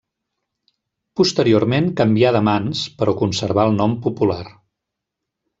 Posteriorment canvià de mans, però conservà el nom popular.